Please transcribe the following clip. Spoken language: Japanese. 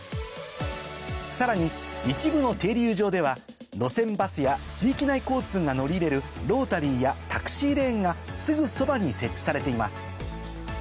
さらに一部の停留場では路線バスや地域内交通が乗り入れるロータリーやタクシーレーンがすぐそばに設置されています